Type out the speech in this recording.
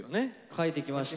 描いてきました。